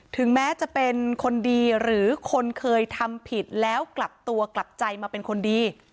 ถึงแม้จะเป็นคนดีหรือคนเคยทำผิดแล้วกลับตัวกลับใจมาเป็นคนดี